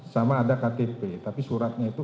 sama ada ktp tapi suratnya itu